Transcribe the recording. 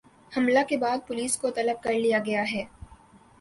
حملے کے بعد پولیس کو طلب کر لیا گیا ہے